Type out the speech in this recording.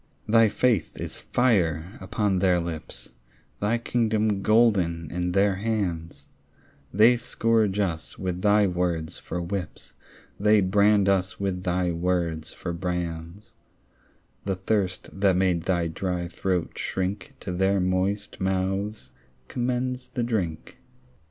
Thy faith is fire upon their lips, Thy kingdom golden in their hands; They scourge us with thy words for whips, They brand us with thy words for brands; The thirst that made thy dry throat shrink To their moist mouths commends the drink.